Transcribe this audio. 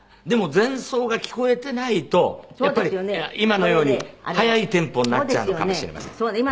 でも前奏が聞こえてないとやっぱり今のように速いテンポになっちゃうのかもしれません。